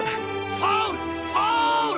ファウル！